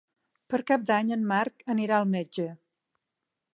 Per Cap d'Any en Marc anirà al metge.